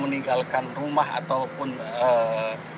meninggalkan rumah atau tinggal di rumah itu bisa diharapkan